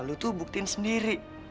lu tuh buktiin sendiri